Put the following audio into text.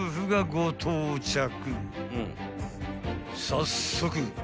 ［早速］